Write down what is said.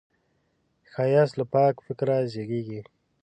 ښایست له پاک فکره زېږي